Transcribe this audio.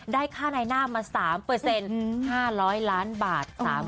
ได้ค่าในหน้ามา๓๕๐๐ล้านบาท